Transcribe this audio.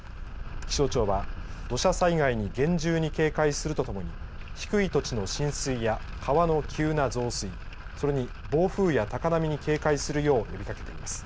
気象庁は土砂災害に厳重に警戒するとともに低い土地の浸水や川の急な増水それに暴風や高波に警戒するよう呼びかけています。